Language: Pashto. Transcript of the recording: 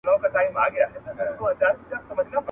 آیا مار تر خزندې توده وینه لري؟